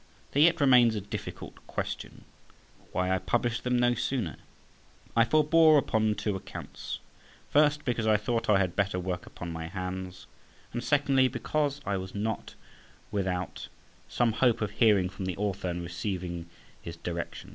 There yet remains a difficult question—why I published them no sooner? I forbore upon two accounts. First, because I thought I had better work upon my hands; and secondly, because I was not without some hope of hearing from the Author and receiving his directions.